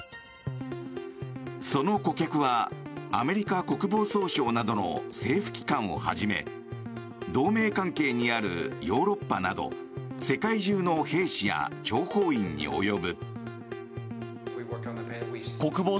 その顧客はアメリカ国防総省などの政府機関をはじめ同盟関係にあるヨーロッパなど世界中の兵士や諜報員に及ぶ。